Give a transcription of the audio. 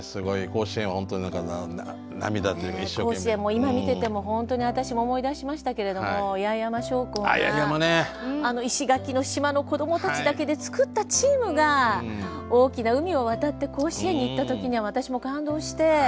甲子園も今見てても本当に私も思い出しましたけれども八重山商工があの石垣の島の子どもたちだけで作ったチームが大きな海を渡って甲子園に行った時には私も感動して。